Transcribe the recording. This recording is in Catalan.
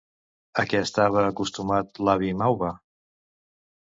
A què estava acostumat l'avi Mauva?